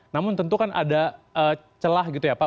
namun tentu kan ada celah gitu ya pak